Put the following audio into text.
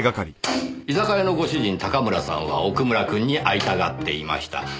居酒屋のご主人高村さんは奥村くんに会いたがっていました。